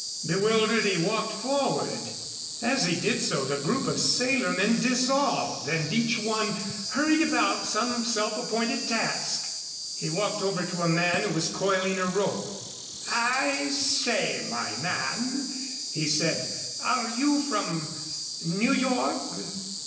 Bewildered, he walked forward. As he did so the group of sailor men dissolved and each one hurried about some self appointed task. He walked over to a man who was coiling a rope. "I say, my man," he said, "are you from New York?"